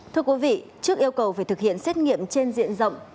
thưa quý vị trước yêu cầu về thực hiện xét nghiệm trên diện rộng